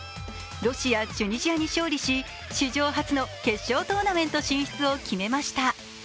ロシア、チュニジアに勝利し、史上初の決勝トーナメント進出を決めました。